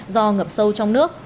do ngập sâu trong nước